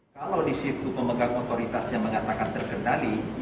kalau di situ pemegang otoritasnya mengatakan terkendali